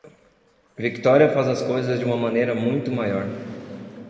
Victoria faz as coisas de uma maneira muito maior.